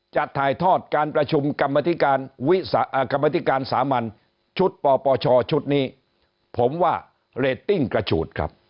จะถ่ายทอดการประชุมกรรมธิการสามัญชุดปปชชุดนี้ผมว่าเรตติ้งกระฉูดครับ